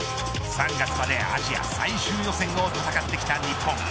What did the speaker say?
３月までアジア最終予選を戦ってきた日本。